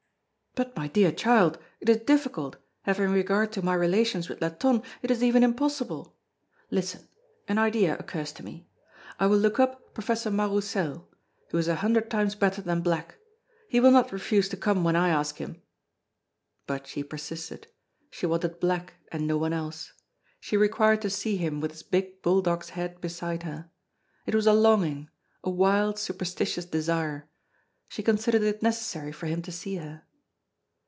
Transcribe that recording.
"But my dear child, it is difficult, having regard to my relations with Latonne it is even impossible. Listen! an idea occurs to me: I will look up Professor Mas Roussel, who is a hundred times better than Black. He will not refuse to come when I ask him." But she persisted. She wanted Black, and no one else. She required to see him with his big bulldog's head beside her. It was a longing, a wild, superstitious desire. She considered it necessary for him to see her.